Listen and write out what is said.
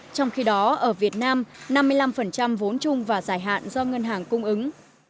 trong khi đó ở việt nam năm mươi năm vốn chung và dài hạn do ngân hàng cung ứng